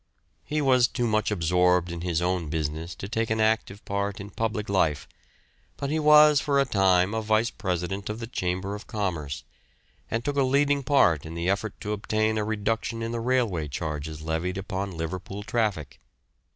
He was too much absorbed in his own business to take an active part in public life, but he was for a time a vice president of the Chamber of Commerce, and took a leading part in the effort to obtain a reduction in the railway charges levied upon Liverpool traffic.